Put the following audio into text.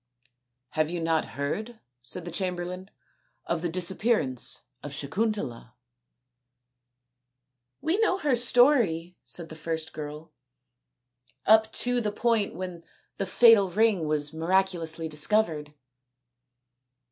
" Have you not heard," said the chamberlain, " of the disappearance of Sakuntala ?"" We know her story," said the first girl, " up to the point when the fatal ring was miraculously discovered."